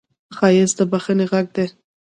ښایست د بښنې غږ دی